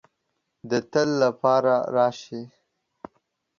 د تل د پاره راشې